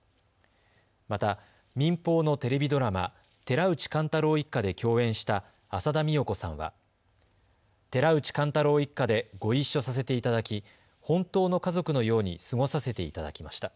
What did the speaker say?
また、民放のテレビドラマ、寺内貫太郎一家で共演した浅田美代子さんは寺内貫太郎一家でご一緒させていただき本当の家族のように過ごさせていただきました。